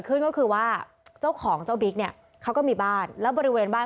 ขึ้นก็คือว่าเจ้าของเจ้าบิ๊กเนี่ยเขาก็มีบ้านแล้วบริเวณบ้าน